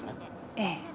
ええ。